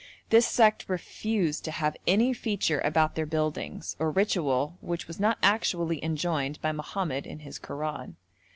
This sect refuse to have any feature about their buildings, or ritual which was not actually enjoined by Mohammed in his Koran.